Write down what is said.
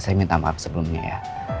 saya minta maaf sebelumnya ya